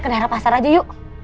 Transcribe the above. ke daerah pasar aja yuk